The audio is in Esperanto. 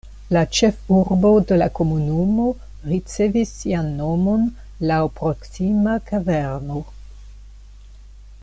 La ĉefurbo de la komunumo ricevis sian nomon laŭ proksima kaverno.